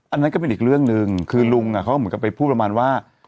อันนั้นก็เป็นอีกเรื่องหนึ่งคือลุงเขาเหมือนกับไปพูดประมาณว่า